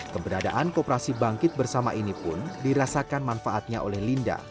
keberadaan kooperasi bangkit bersama ini pun dirasakan manfaatnya oleh linda